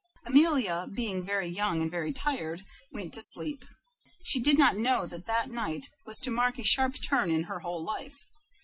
Amelia, being very young and very tired, went to sleep. She did not know that that night was to mark a sharp turn in her whole life.